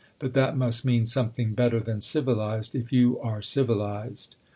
But that must mean something better than civilized, if you are civilized.